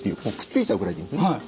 もうくっついちゃうくらいでいいんですね。